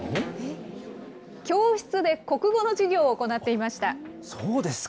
教室で国語の授業を行っていそうですか。